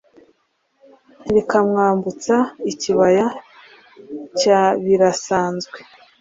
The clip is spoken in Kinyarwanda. rikamwambutsa ikibaya cya birasanzwe